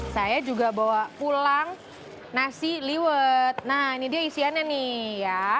saya juga bawa pulang nasi liwet nah ini dia isiannya nih ya